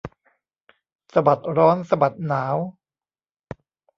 สะบัดร้อนสะบัดหนาว